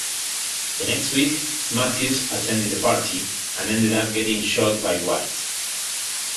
The next week, Mathews attended the party, and ended up getting shot by White.